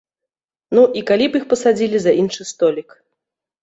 Ну, і калі б іх пасадзілі за іншы столік.